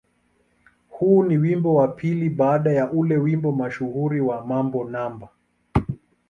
Huu ni wimbo wa pili baada ya ule wimbo mashuhuri wa "Mambo No.